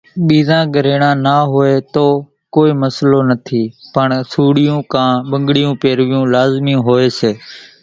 ٻيزان ڳريڻان نا هوئيَ توئيَ ڪونئين مسلو نٿِي پڻ سوڙِيون ڪان ٻنڳڙِيون پيروِيون لازمِي هوئيَ سي۔